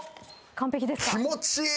完璧ですか。